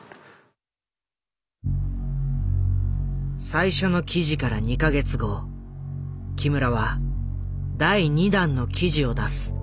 最初の記事から２か月後木村は第２弾の記事を出す。